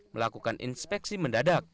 melakukan inspeksi mendadak